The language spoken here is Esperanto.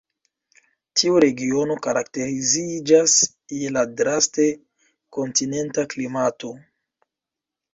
Tiu regiono karakteriziĝas je la draste kontinenta klimato.